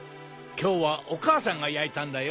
きょうはおかあさんがやいたんだよ。